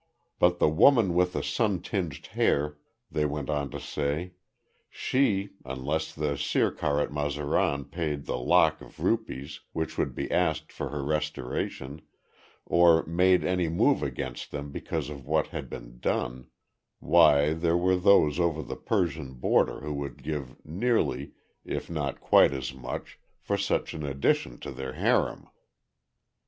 But the woman with the sun tinged hair, they went on to say, she, unless the Sirkar at Mazaran paid the lakh of rupees which would be asked for her restoration or made any move against them because of what had been done why there were those over the Persian border who would give nearly if not quite as much for such an addition to their harim.